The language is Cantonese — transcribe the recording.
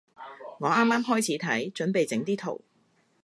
我啱啱開始睇，準備整啲圖